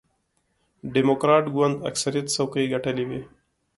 ډیموکراټ ګوند اکثریت څوکۍ ګټلې وې.